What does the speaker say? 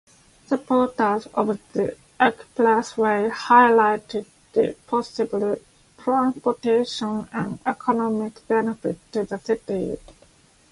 Supporters of the expressway highlighted the possible transportation and economic benefits to the city.